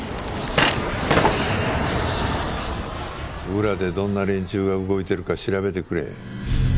裏でどんな連中が動いてるか調べてくれ。